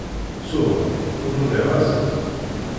Ttuɣ ur uriɣ azemz?